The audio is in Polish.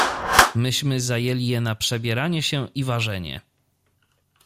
"Myśmy zajęli je na przebieranie się i ważenie."